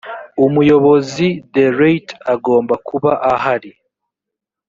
umuyobozi d reit agomba kuba ahari